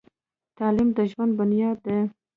تعلیم د ژوند بنیاد دی.